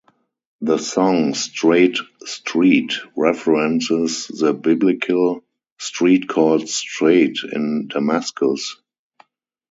The song "Straight Street" references the biblical "street called straight" in Damascus.